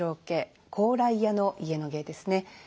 家高麗屋の家の芸ですね。